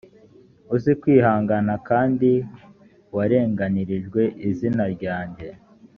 uzi kwihangana kandi warenganirijwe izina ryanjye